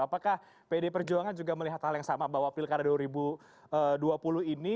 apakah pd perjuangan juga melihat hal yang sama bahwa pilkada dua ribu dua puluh ini